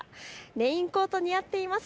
レインコート似合っています。